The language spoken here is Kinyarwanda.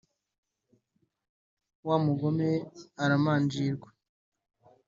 wa mugome aramanjirwa